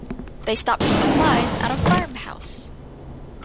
They stop for supplies at a farm house.